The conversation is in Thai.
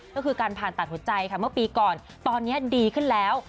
ก็คือการผ่านตัดหัวใจค่ะเมื่อปีก่อนตอนนี้ดีขึ้นแล้ว